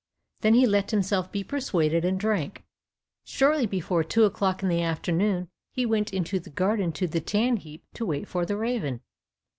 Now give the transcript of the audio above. Then he let himself be persuaded, and drank. Shortly before two o'clock in the afternoon he went into the garden to the tan heap to wait for the raven.